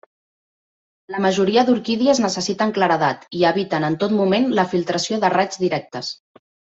La majoria d'orquídies necessiten claredat, i eviten en tot moment la filtració de raigs directes.